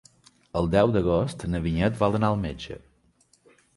El deu d'agost na Vinyet vol anar al metge.